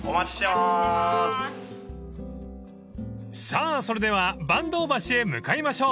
［さあそれでは阪東橋へ向かいましょう］